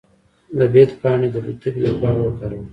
د بید پاڼې د تبې لپاره وکاروئ